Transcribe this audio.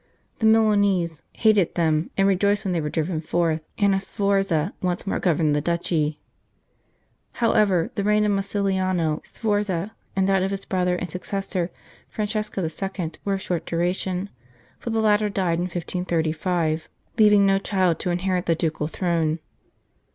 The Milanese hated them, and rejoiced when they were driven forth, and a Sforza once more governed the duchy. However, the reign of Massimiliano Sforza and that of his brother and successor, Francesco II., were of short duration, for the latter died in 1535, 9 St. Charles Borromeo leaving no child to inherit the ducal throne.